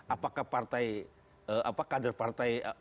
apakah partai kader partai